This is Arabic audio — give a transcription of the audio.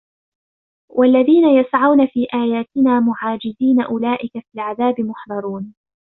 وَالَّذِينَ يَسْعَوْنَ فِي آيَاتِنَا مُعَاجِزِينَ أُولَئِكَ فِي الْعَذَابِ مُحْضَرُونَ